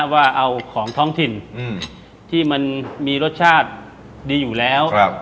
ว่าเอาของท้องถิ่นที่มันมีรสชาติดีอยู่แล้ว